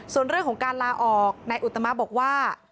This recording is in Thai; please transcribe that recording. ส่วนเรื่องของการลาออกนายอุตมะบอกว่า